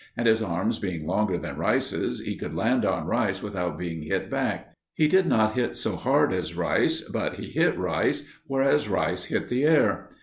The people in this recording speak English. And his arms being longer than Rice's, he could land on Rice without being hit back. He did not hit so hard as Rice, but he hit Rice, whereas Rice hit the air.